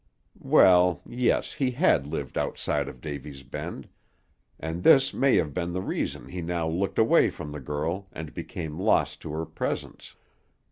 Well, yes, he had lived outside of Davy's Bend, and this may have been the reason he now looked away from the girl and became lost to her presence.